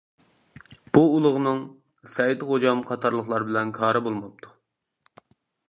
بۇ ئۇلۇغنىڭ سەئىد خوجام قاتارلىقلار بىلەن كارى بولماپتۇ.